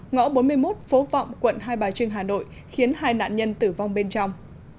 ngõ bốn mươi một phố vọng quận hai bà trưng hà nội khiến hai nạn nhân tử vong bên trong